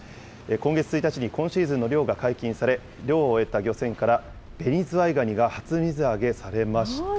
今月１日に今シーズンの漁が解禁され、漁を終えた漁船からベニズワイガニが初水揚げされました。